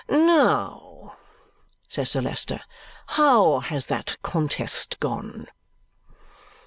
"Now," says Sir Leicester. "How has that contest gone?"